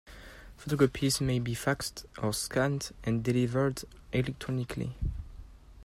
Photocopies may be faxed, or scanned and delivered electronically.